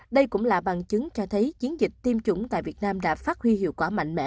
đây cũng là bằng chứng cho thấy chiến dịch tiêm chủng tại việt nam đã phát huy hiệu quả mạnh mẽ